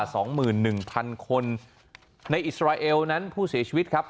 สองหมื่นหนึ่งพันคนในอิสราเอลนั้นผู้เสียชีวิตครับ